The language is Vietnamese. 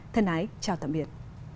thân ái chào tạm biệt